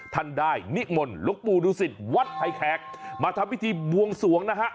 ท่านได้นิมลลกปู่รุศิวัดไทแคกมาทำพิธีบวงสวงนะฮะ